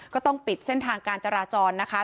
ก็ต้องปิดเส้นทางการจราจรนะคะ